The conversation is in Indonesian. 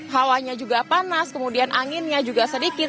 hawanya juga panas kemudian anginnya juga sedikit